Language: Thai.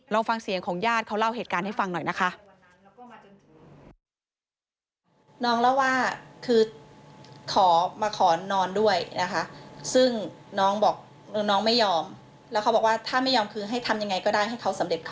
ลองฟังเสียงของญาติเขาเล่าเหตุการณ์ให้ฟังหน่อยนะคะ